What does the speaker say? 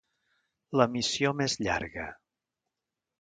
La missió més llarga.